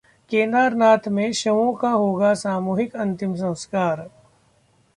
केदारनाथ में शवों का होगा सामूहिक अंतिम संस्कार